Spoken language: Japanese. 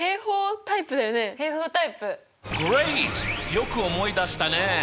よく思い出したね！